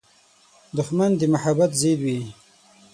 دښمن د محبت ضد وي